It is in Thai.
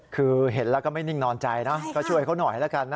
คือเห็นแล้วก็ไม่นิ่งนอนใจนะก็ช่วยเขาหน่อยแล้วกันนะ